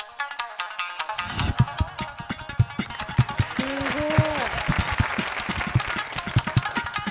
すごい。